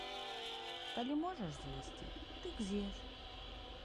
Калі можаш з'есці, дык з'еш.